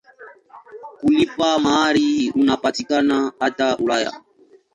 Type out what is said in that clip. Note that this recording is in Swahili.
Kulipa mahari unapatikana hata Ulaya.